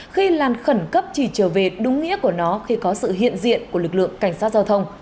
khi làn khẩn cấp chỉ trở về đúng nghĩa của nó khi có sự hiện diện của lực lượng cảnh sát giao thông